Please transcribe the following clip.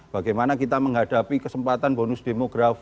bagaimana kita menghadapi kesempatan bonus demografi